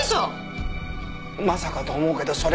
まさかと思うけどそれ。